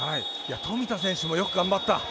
富田選手もよく頑張った。